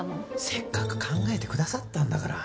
せっかく考えてくださったんだから。